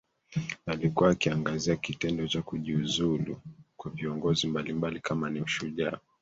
alikuwa akiangazia kitendo cha kujiuzulu kwa viongozi mbalimbali kama ni ushujaa